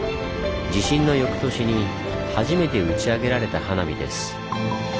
地震の翌年に初めて打ち上げられた花火です。